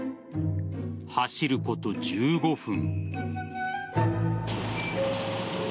走ること１５分。